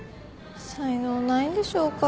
才能ないんでしょうか？